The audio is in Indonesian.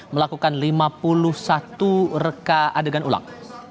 melakukan lima puluh satu reka adegan ulang